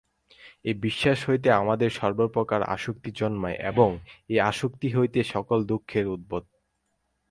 এই বিশ্বাস হইতেই আমাদের সর্বপ্রকার আসক্তি জন্মায় এবং এই আসক্তি হইতেই সকল দুঃখের উদ্ভব।